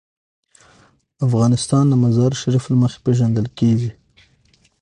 افغانستان د مزارشریف له مخې پېژندل کېږي.